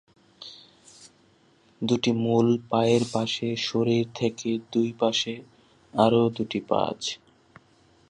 দুটি মূল পায়ের পাশে শরীর থেকে দুই পাশে আরও দুটি পা আছে।